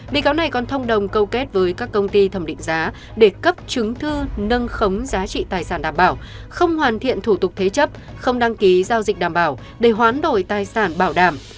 bị cáo này còn thông đồng câu kết với các công ty thẩm định giá để cấp chứng thư nâng khống giá trị tài sản đảm bảo không hoàn thiện thủ tục thế chấp không đăng ký giao dịch đảm bảo để hoán đổi tài sản bảo đảm